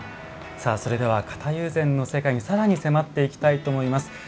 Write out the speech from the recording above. さあそれでは型友禅の世界にさらに迫っていきたいと思います。